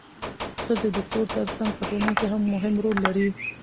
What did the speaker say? ښځې د کور ترڅنګ په ټولنه کې مهم رول لري